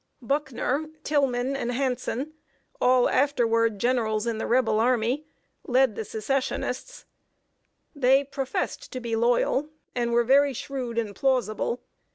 Buckner, Tighlman, and Hanson all afterward generals in the Rebel army led the Secessionists. They professed to be loyal, and were very shrewd and plausible.